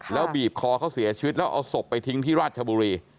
แล้วบีบคอเขาเสียชีวิตแล้วเอาศพไปทิ้งที่ราชบุรี